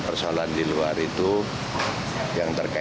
serahkan itu rusak